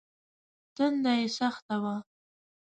تنده يې سخته وه.